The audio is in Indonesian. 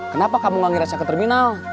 kenapa kamu gak ngerasa ke terminal